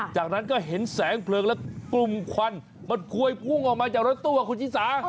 จากนั้นก็เห็นแสงเพลิงและกลุ่มควันมันพวยพุ่งออกมาจากรถตู้คุณชิสา